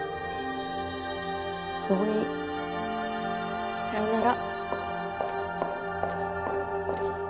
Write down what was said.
もういいさよなら。